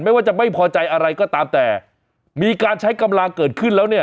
ว่าจะไม่พอใจอะไรก็ตามแต่มีการใช้กำลังเกิดขึ้นแล้วเนี่ย